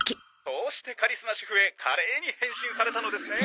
「こうしてカリスマ主婦へ華麗に変身されたのですね」